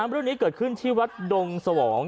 เรื่องนี้เกิดขึ้นที่วัดดงสวอง